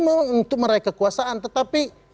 memang untuk meraih kekuasaan tetapi